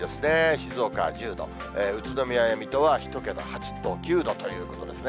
静岡１０度、宇都宮や水戸は１桁、８度、９度ということですね。